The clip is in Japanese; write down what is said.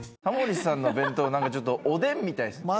タモリさんの弁当なんかちょっとおでんみたいです。